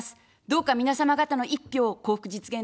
どうか皆様方の１票を幸福実現